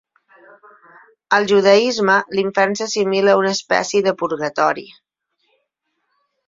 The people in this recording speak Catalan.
Al judaisme l'infern s'assimila a una espècie de purgatori.